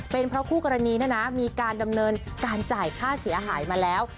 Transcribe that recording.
เป็นเพราะคู่กรณีเนี่ยนะมีการดำเนินการจ่ายค่าเสียหายมาแล้ว